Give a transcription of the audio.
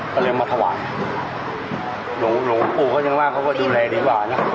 หลวงครูก็ยังว่าเขาก็ดูแลดีกว่านะครับ